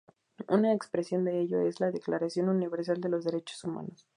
Una expresión de ello es la Declaración Universal de los Derechos Humanos.